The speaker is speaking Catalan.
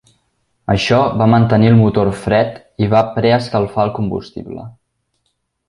Això va mantenir el motor fred i va pre-escalfar el combustible.